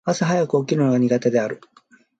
朝早く起きるのが苦手である。